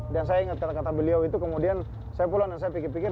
dan saya ingat kata kata beliau itu kemudian saya pulang dan saya pikir pikir